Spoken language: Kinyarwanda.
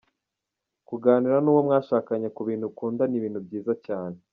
Kuganira n’uwo mwashakanye ku bintu ukunda ni ibintu byiza cyane.